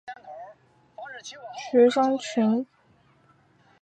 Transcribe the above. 基督教徒学生会是基于福音神学以及圣经信仰的日本基督新教学生团体。